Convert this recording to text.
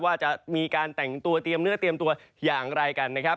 ว่าจะมีการแต่งตัวเตรียมเนื้อเตรียมตัวอย่างไรกันนะครับ